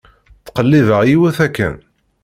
Ttqellibeɣ yiwet akken.